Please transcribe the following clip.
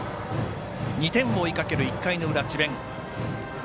２点を追いかける１回の裏、智弁。